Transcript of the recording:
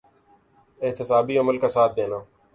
احتسابی عمل کا ساتھ دینا۔